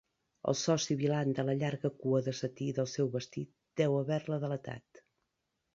El so sibilant de la llarga cua de setí del seu vestit deu haver-la delatat.